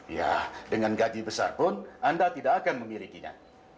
ya dengan gaji besar pun anda tidak akan memilikinya